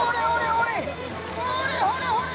ほれほれほれ。